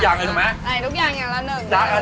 แต่ทุกอย่างเลยถูกไหม